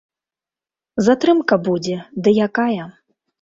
Затрымка будзе, ды якая.